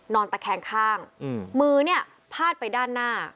ตะแคงข้างมือเนี่ยพาดไปด้านหน้า